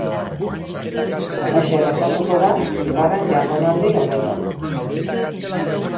Halaxe gertatuko da bigarren jardunaldi honetan.